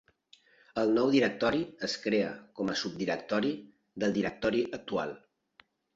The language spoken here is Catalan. El nou directori es crea com a subdirectori del directori actual.